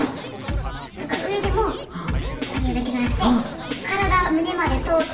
とか上でも上げるだけじゃなくて体胸まで通って。